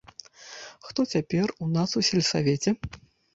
Хто цяпер у нас у сельсавеце?!